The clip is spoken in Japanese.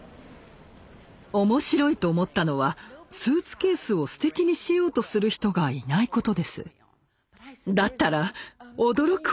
面白いと思ったのはスーツケースをすてきにしようとする人がいないことです。